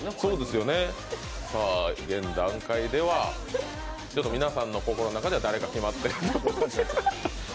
現段階では皆さんの心の中では誰か決まっている。